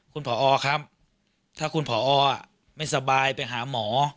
คุณผอครับถ้าคุณผอไม่สบายไปหาหมอ